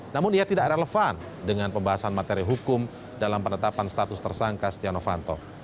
namun ia tidak relevan dengan pembahasan materi hukum dalam penetapan status tersangka setia novanto